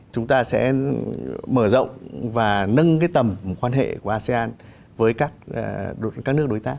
chúng ta sẽ mở rộng và nâng cái tầm quan hệ của asean với các nước đối tác